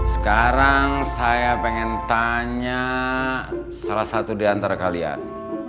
sekarang saya pengen tanya salah satu di antara kalian